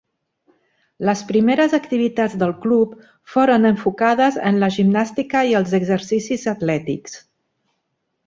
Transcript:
Les primeres activitats del club foren enfocades en la gimnàstica i els exercicis atlètics.